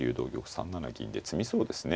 ３七銀で詰みそうですね